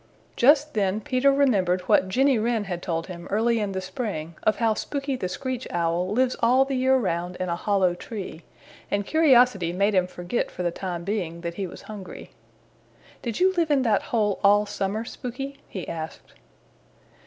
Just then Peter remembered what Jenny Wren had told him early in the spring of how Spooky the Screech Owl lives all the year around in a hollow tree, and curiosity made him forget for the time being that he was hungry. "Did you live in that hole all summer, Spooky?" he asked.